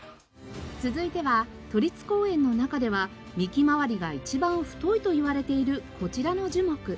続いては都立公園の中では幹回りが一番太いといわれているこちらの樹木。